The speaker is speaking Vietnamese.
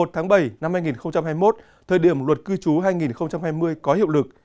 thời điểm luật cư trú hai nghìn hai mươi có hiệu lực